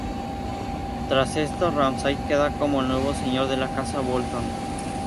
Tras esto, Ramsay queda como el nuevo Señor de la Casa Bolton.